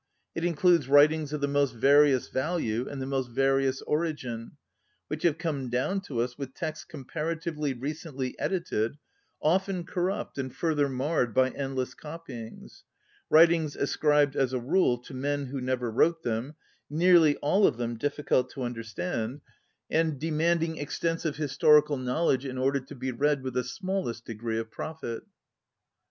It includes writings of the most various value and the most various origin, which have come down to us with texts comparatively re cently edited, often corrupt and fur ther marred by endless copyings; ŌĆö writings ascribed as a rule to men who never wrote them, nearly all of iiiem difficult to understand, and de 81 ON READING manding extensive historical knowl edge in order to be read with the smallest degree of profit.